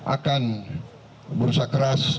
akan berusaha keras